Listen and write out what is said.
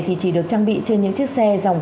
thì chỉ được trang bị trên những chiếc xe dòng